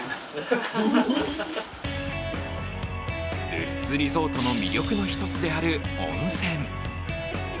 ルスツリゾートの魅力の一つである温泉。